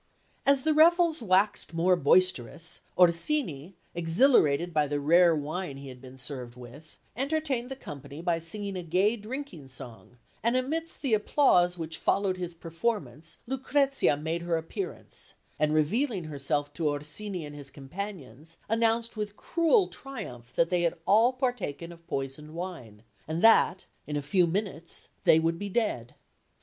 As the revels waxed more boisterous, Orsini, exhilarated by the rare wine he had been served with, entertained the company by singing a gay drinking song; and amidst the applause which followed his performance, Lucrezia made her appearance, and revealing herself to Orsini and his companions, announced with cruel triumph that they had all partaken of poisoned wine and that in a few minutes they would be dead.